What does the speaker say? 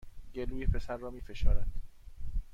گلوی پسر را می فشارد